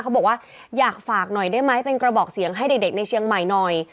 เขาบอกว่าอยากฝากหน่อยได้ไหมเป็นกระบอกเสียงให้เด็กในเชียงใหม่หน่อย